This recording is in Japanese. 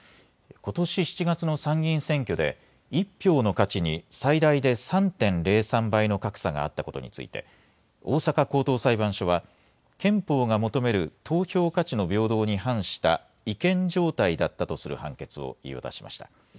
ことし７月の参議院選挙で１票の価値に最大で３．０３倍の格差があったことについて大阪高等裁判所は憲法が求める投票価値の平等に反した違憲状態だったとする判決を言い渡しました。